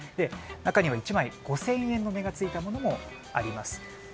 中には１枚５０００円の値がついたものもあります。